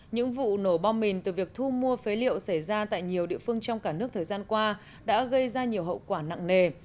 những vụ nổ bom mìn từ việc thu mua phế liệu xảy ra tại nhiều địa phương trong cả nước thời gian qua đã gây ra nhiều hậu quả nặng nề